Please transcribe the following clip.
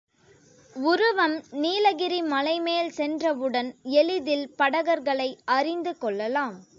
உருவம் நீலகிரி மலைமேல் சென்றவுடன் எளிதில் படகர்களை அறிந்து கொள்ளலாம்.